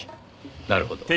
なるほど。